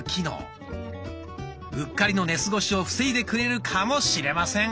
うっかりの寝過ごしを防いでくれるかもしれません。